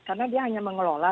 karena dia hanya mengelola